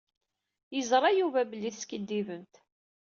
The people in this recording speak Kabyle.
Yeẓṛa Yuba belli teskiddibemt.